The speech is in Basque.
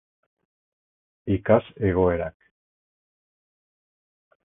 Ikas egoerak